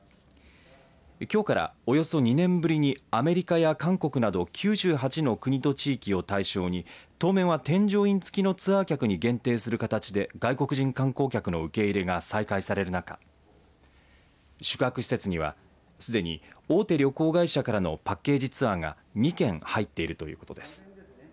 きょうからおよそ２年ぶりにアメリカや韓国など９８の国と地域を対象に当面は添乗員付のツアー客に限定する形で外国人観光客の受け入れが再開される中宿泊施設にはすでに、大手旅行会社からのパッケージツアーが２件入っているということです。